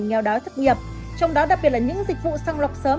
nghèo đáo thất nghiệp trong đó đặc biệt là những dịch vụ sang lọc sớm